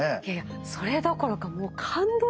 それどころかもう感動的ですよ！